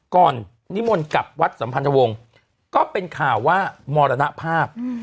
นิมนต์กลับวัดสัมพันธวงศ์ก็เป็นข่าวว่ามรณภาพ